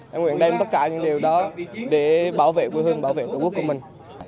em nguyện đem tất cả những điều đó để bảo vệ quê hương bảo vệ tổ quốc của mình